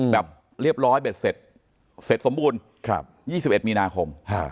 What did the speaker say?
แบบเรียบร้อยเบ็ดเสร็จสมบูรณ์๒๑มีนาคม